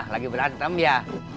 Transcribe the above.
lagi berantem ya